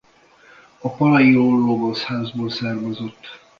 A Palaiologosz-házból származott.